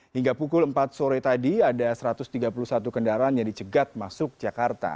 hingga pukul empat sore tadi ada satu ratus tiga puluh satu kendaraan yang dicegat masuk jakarta